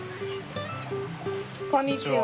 こんにちは。